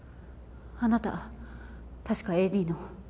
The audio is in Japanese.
あなた確かＡＤの。